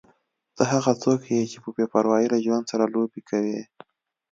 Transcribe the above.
ته هغه څوک یې چې په بې پروايي له ژوند سره لوبې کوې.